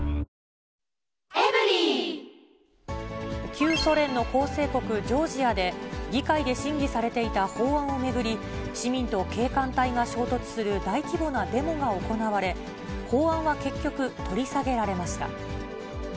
旧ソ連の構成国、ジョージアで、議会で審議されていた法案を巡り、市民と警官隊が衝突する大規模なデモが行われ、法案は結局、取り下げられました。